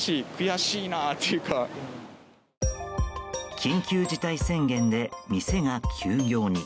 緊急事態宣言で店が休業に。